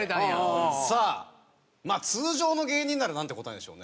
まあ通常の芸人ならなんて答えるんでしょうね？